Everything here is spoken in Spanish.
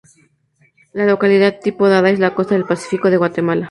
La localidad tipo dada es "la costa del Pacífico de Guatemala.